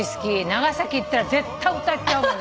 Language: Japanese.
長崎行ったら絶対歌っちゃうもん。